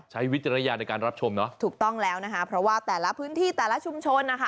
วิจารณญาณในการรับชมเนอะถูกต้องแล้วนะคะเพราะว่าแต่ละพื้นที่แต่ละชุมชนนะคะ